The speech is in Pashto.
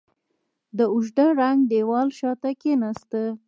د اوږده ړنګ دېوال شاته کېناستل.